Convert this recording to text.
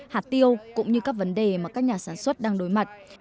hạt tiêu cũng như các vấn đề mà các nhà sản xuất đang đối mặt